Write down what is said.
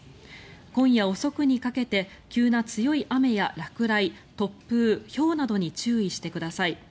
今夜遅くにかけて急な強い雨や落雷、突風ひょうなどに注意してください。